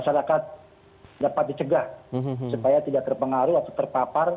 masyarakat dapat dicegah supaya tidak terpengaruh atau terpapar